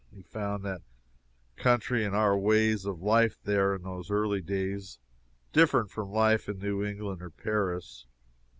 He found that country, and our ways of life, there, in those early days, different from life in New England or Paris.